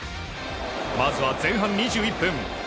まずは前半２１分。